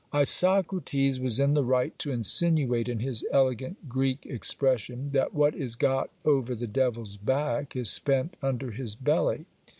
Isocrates was in the right to insinuate, in his elegant Greek expression, that what is got over the devil's back is spent under his belly.